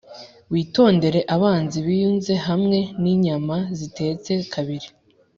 witondere abanzi biyunze hamwe ninyama zitetse kabiri